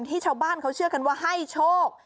ชาวบ้านเขาเชื่อกันว่าให้โชค